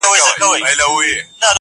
غلیم وایي پښتون پرېږدی چي بیده وي,